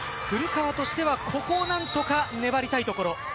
古川としてはここを何とか粘りたいところ。